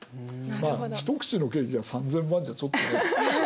まあ一口のケーキが３，０００万じゃちょっとね。